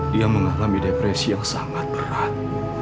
dia mengalami depresi yang sangat berat